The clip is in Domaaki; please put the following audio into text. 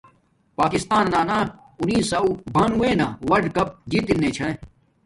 پاکستانن اُنیسوہ بانووے نا ولڈکیپ جیت ارین چھا